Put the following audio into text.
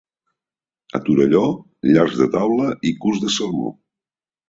A Torelló, llargs de taula i curts de sermó.